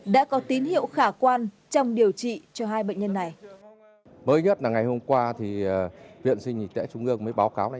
đã có tín hiệu khả quan trong điều trị cho hai bệnh nhân này